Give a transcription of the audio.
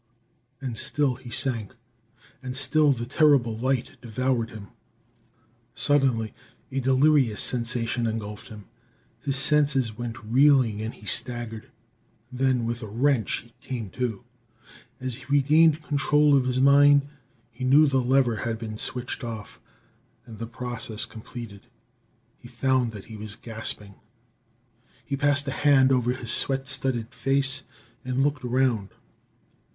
And still he sank, and still the terrible light devoured him. Suddenly a delirious sensation engulfed him; his senses went reeling away, and he staggered. Then with a wrench he came to. As he regained control of his mind he knew the lever had been switched off and the process completed. He found that he was gasping. He passed a hand over his sweat studded face and looked around.